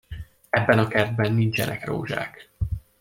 Ebben a kertben nincsenek rózsák!